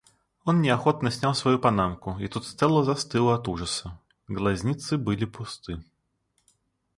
Он неохотно снял свою панамку и тут Стелла застыла от ужаса. Глазницы были пусты.